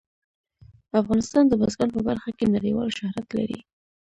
افغانستان د بزګان په برخه کې نړیوال شهرت لري.